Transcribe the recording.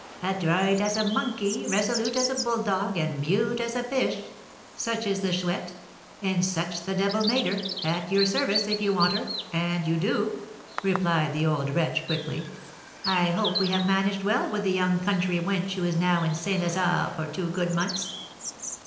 "Adroit as a monkey, resolute as a bulldog, and mute as a fish; such is the Chouette, and such the devil made her; at your service if you want her, and you do," replied the old wretch, quickly. "I hope we have managed well with the young country wench who is now in St. Lazare for two good months."